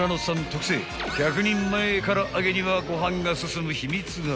特製１００人前唐揚げにはご飯が進む秘密が！］